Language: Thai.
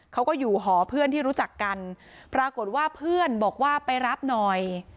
เขาก็อยู่หอเพื่อนที่รู้จักกันปรากฏว่าเพื่อนบอกว่าไปรับหน่อย